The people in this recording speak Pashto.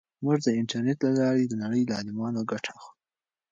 موږ د انټرنیټ له لارې د نړۍ له عالمانو ګټه اخلو.